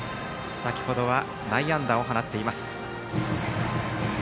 先程は内野安打を放っています。